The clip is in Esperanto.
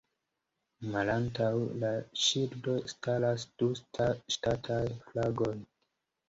Malantaŭ la ŝildo staras du ŝtataj flagoj.